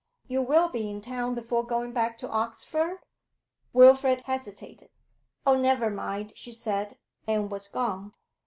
'You will be in town before going back to Oxford?' Wilfrid hesitated. 'Oh, never mind,' she said; and was gone.